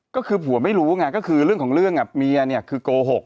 ก็คือผัวไม่รู้ไงก็คือเรื่องของเรื่องเมียเนี่ยคือโกหก